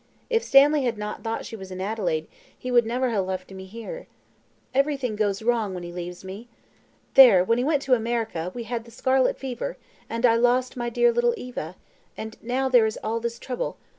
If Stanley had not thought she was in Adelaide, he would never have left me here. Everything goes wrong when he leaves me. There, when he went to America, we had the scarlet fever, and I lost my dear little Eva, and now there is all this trouble.